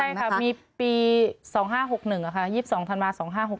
ใช่ค่ะมีปี๒๕๖๑อ่ะค่ะ